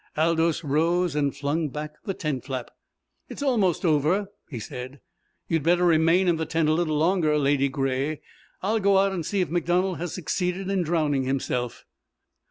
Aldous rose and flung back the tent flap. "It is almost over," he said. "You had better remain in the tent a little longer, Ladygray. I will go out and see if MacDonald has succeeded in drowning himself."